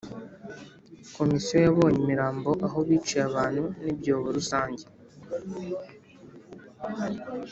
Komisiyo yabonye imirambo aho biciye abantu n ibyobo rusange